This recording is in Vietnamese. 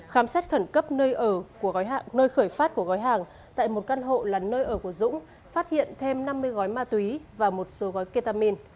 khám xét khẩn cấp nơi khởi phát của gói hàng tại một căn hộ là nơi ở của dũng phát hiện thêm năm mươi gói ma túy và một số gói ketamin